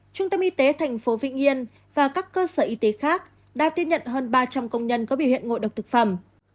trung tâm y tế tp vĩnh yên và các cơ sở y tế khác đã tiếp nhận hơn ba trăm linh công nhân có biểu hiện ngộ độc thực phẩm